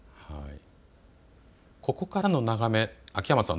ここからの眺め、秋山さん